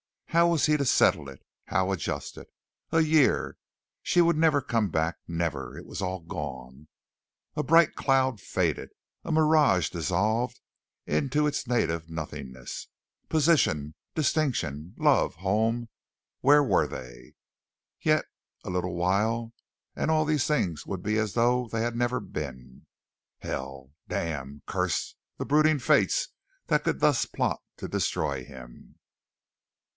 How was he to settle it? How adjust it? A year! She would never come back never! It was all gone. A bright cloud faded. A mirage dissolved into its native nothingness. Position, distinction, love, home where were they? Yet a little while and all these things would be as though they had never been. Hell! Damn! Curse the brooding fates that could thus plot to destroy him!